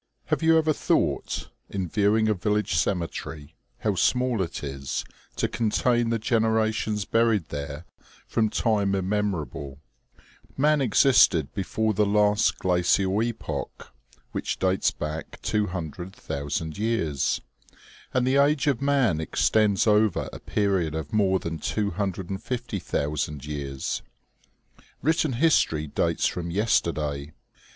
Have you ever thought, in viewing a village cemetery, how small it is, to contain the generations buried there from time immemor able ? Man existed before the last glacial epoch, which dates back 200,000 years; and the age of man extends over a period of more than 250,000 years. Written history dates from yesterday.